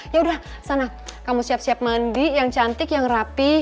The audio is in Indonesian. yaudah sana kamu siap siap mandi yang cantik yang rapih